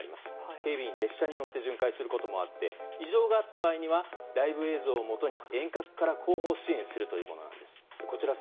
警備員は列車に乗って巡回することもあり異常があった場合ライブ映像をもとに遠隔から後方支援するものなんです。